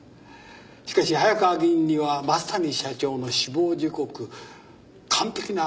しかし早川議員には増谷社長の死亡時刻完璧なアリバイがありました。